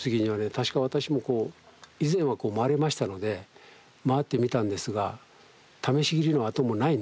確か私もこう以前は回れましたので回ってみたんですが試し切りの痕もないんですね。